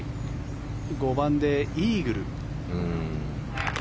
５番でイーグル。